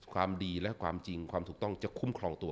ความดีและความจริงความถูกต้องจะคุ้มครองตัว